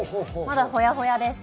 まだほやほやです。